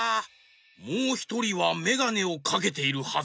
もうひとりはメガネをかけているはず。